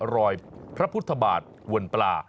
รอยพระพุทธบาทวนปลา